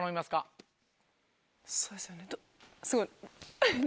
そうですよね。